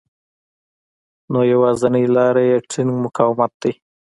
نو يوازېنۍ لاره يې ټينګ مقاومت دی.